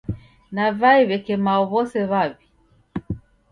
Navae w'eke mao w'ose w'aw'i.